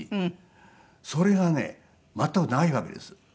それがね全くないわけです。